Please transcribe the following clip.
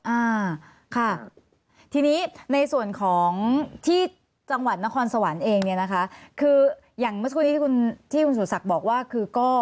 อ่าค่ะทีนี้ในส่วนของที่จังหวัดนครสวรรค์เองเนี่ยนะคะคืออย่างเมื่อสักครู่นี้ที่คุณที่คุณสุศักดิ์บอกว่าคือก็